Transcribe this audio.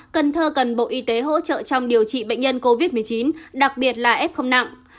cần thơ cần bộ y tế hỗ trợ trong điều trị bệnh nhân covid một mươi chín đặc biệt là f nặng